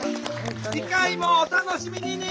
次回もお楽しみに！